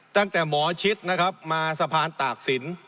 ตั้งแต่หมอชิดนะครับมาสะพานตากศิลป